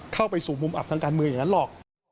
เข้าไปสู่มุมอับทางการเมืองอย่างนั้นหรอก